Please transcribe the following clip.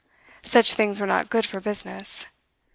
Such things were not good for business.